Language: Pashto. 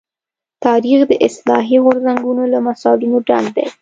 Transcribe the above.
تاریخ د اصلاحي غورځنګونو له مثالونو ډک دی.